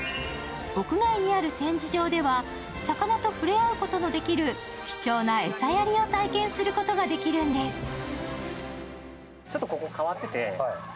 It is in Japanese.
屋外にある展示場では魚と触れ合うことのできる貴重な餌やりを体験することができるんです。